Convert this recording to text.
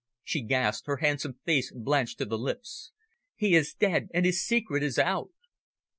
she gasped, her handsome face blanched to the lips. "He is dead and his secret is out!"